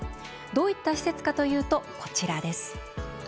どういった施設かというとこちらです。